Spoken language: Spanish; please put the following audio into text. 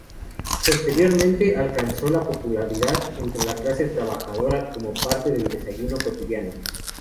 Posteriormente, alcanzó popularidad entre la clase trabajadora como parte del desayuno cotidiano.